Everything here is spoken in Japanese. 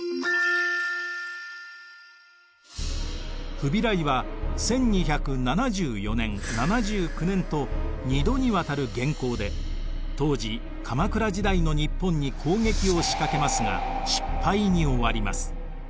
フビライは１２７４年７９年と２度にわたる元寇で当時鎌倉時代の日本に攻撃を仕掛けますが失敗に終わります。